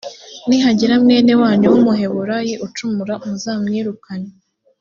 nihagira mwene wanyu w’umuhebureyi ucumura muzamwirukane